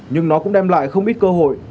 nhưng nó cũng đem lại không ít cơ hội